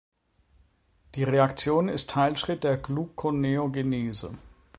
Die Reaktion ist Teilschritt der Gluconeogenese.